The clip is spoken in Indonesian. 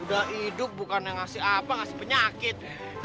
udah hidup bukan yang ngasih apa ngasih penyakit